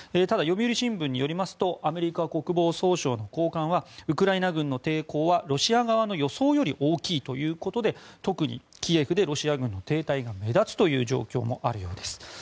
ただ、読売新聞によりますとアメリカ国防総省の高官はウクライナ軍の抵抗はロシア側の予想よりも大きいということで特にキエフでロシア軍の停滞が目立つという状況もあるようです。